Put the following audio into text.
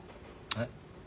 えっ？